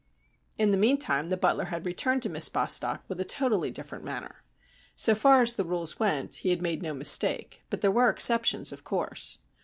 In the meantime the butler had returned to Miss Bostock with a totally different manner. So far as the rules went, he had made no mistake, but there were exceptions, of course.